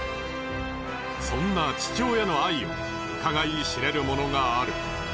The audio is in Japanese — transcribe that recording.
そんな父親の愛をうかがい知れるものがある。